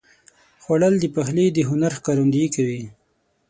خوړل د پخلي د هنر ښکارندویي کوي